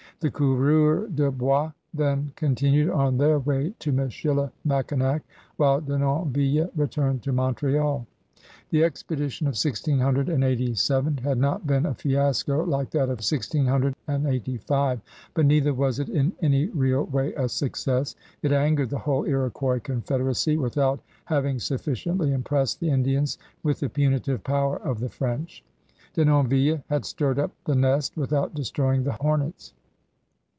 The coureura de hois then continued on their way to Michilimackinac while Denonville returned to Montreal. The expedition of 1687 had not been a fiasco like that of 1685, but neither was it in any real way a success. It angered the whole Lx>quois confederacy without having sufficiently impressed the Indians with the punitive power of the French. Denonville had stirred up the nest without destroy ing the hornets.